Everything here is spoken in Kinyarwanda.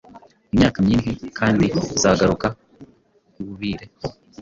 Imyaka myinhi, kandi izagaruka iubire ho